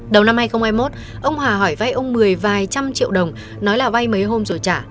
đầu năm hai nghìn hai mươi một ông hà hỏi vay ông mười vài trăm triệu đồng nói là vay mấy hôm rồi trả